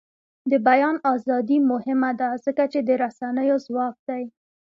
د بیان ازادي مهمه ده ځکه چې د رسنیو ځواک دی.